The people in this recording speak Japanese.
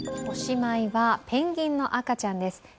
おしまいはペンギンの赤ちゃんです。